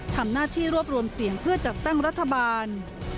ทำหน้าที่รวบรวมเสียงเพื่อจัดตั้งรัฐบาล